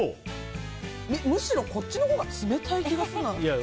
むしろ、こっちのほうが冷たい気がするな。